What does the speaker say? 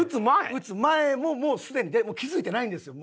打つ前ももうすでに気づいてないんですよ